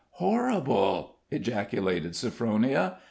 "Horrible!" ejaculated Sophronia.